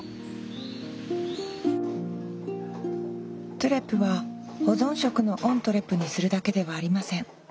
トゥレは保存食のオントゥレにするだけではありません。